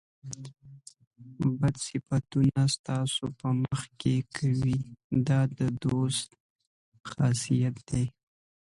بد صفتونه ستاسو په مخ کې کوي دا د دوست خاصیت دی.